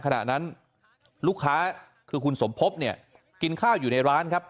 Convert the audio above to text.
ขณะนั้นลูกค้าคือคุณสมภพเนี่ยกินข้าวอยู่ในร้านครับ